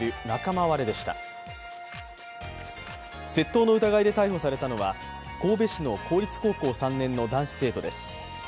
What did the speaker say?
窃盗の疑いで逮捕されたのは神戸市の公立高校３年の男子生徒です。